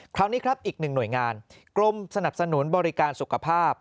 คราวนี้ครับอีกหนึ่งหน่วยงานกรมสนับสนุนบริการสุขภาพ